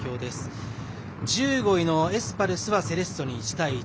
１５位のエスパルスはセレッソに１対１。